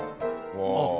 あっ。